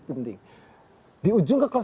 penting di ujung